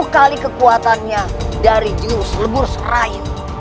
sepuluh kali kekuatannya dari jurus lebur serai